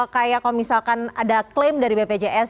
kayak kalau misalkan ada klaim dari bpjs